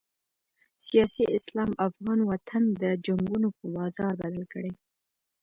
سیاسي اسلام افغان وطن د جنګونو په بازار بدل کړی.